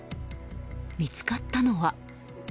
見つかったのは。